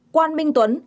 bốn quan minh tuấn